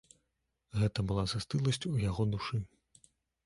Гэта была застыласць у яго душы.